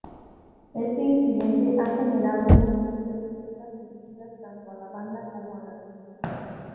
Este incidente ha generado múltiples críticas dirigidas tanto a la banda como al artista.